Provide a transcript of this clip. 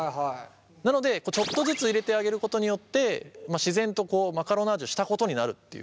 なのでちょっとずつ入れてあげることによって自然とマカロナージュしたことになるっていう。